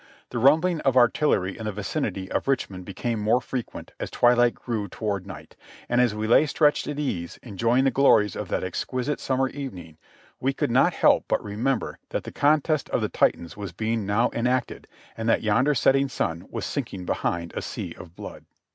The rumbling of artillery in the vicinity of Richmond became more frequent as twilight drew toward night, and as we lay stretched at ease, enjoying the glories of that exquisite summer evening, we could not help but remember that the contest of the Titans was being now enacted, and that yonder setting sun was sinking behind a sea of blood.